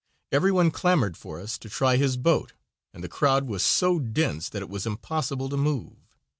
Everyone clamored for us to try his boat, and the crowd was so dense that it was impossible to move.